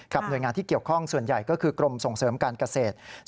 หน่วยงานที่เกี่ยวข้องส่วนใหญ่ก็คือกรมส่งเสริมการเกษตร